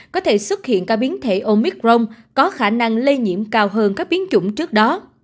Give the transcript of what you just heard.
có thể xuất hiện ca biến thể omicron có khả năng lây nhiễm cao hơn các biến chủng trước đó